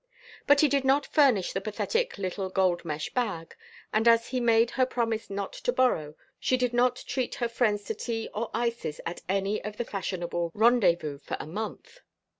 But he did not furnish the pathetic little gold mesh bag, and as he made her promise not to borrow, she did not treat her friends to tea or ices at any of the fashionable rendezvous for a month.